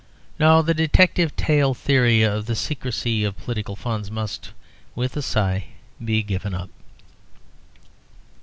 No; the detective tale theory of the secrecy of political funds must (with a sigh) be given up.